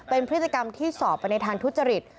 เป็นพฤติกรรมที่สอบไปในทางทุจริต